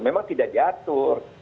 memang tidak diatur